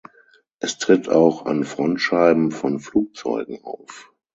Es tritt auch an Frontscheiben von Flugzeugen auf.